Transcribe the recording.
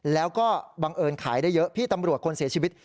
แล้วก็บังเอิญขายได้เยอะพี่ตำรวจคนเสียชีวิต